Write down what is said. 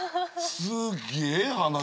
すげえ話。